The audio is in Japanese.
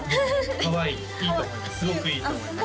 かわいいいいと思います